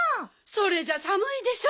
それじゃさむいでしょ。